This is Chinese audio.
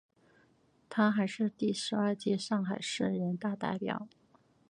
她还是第十二届上海市人大代表。